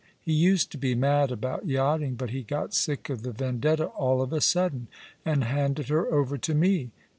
He used to be mad about yachting ; but he got sick of the Vendetta all of a sudden^ and handed her over to me.